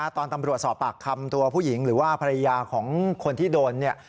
ตอนตำรวจสอบปากคำตัวผู้หญิงหรือว่าภรรยาของคนที่โดนเนี่ย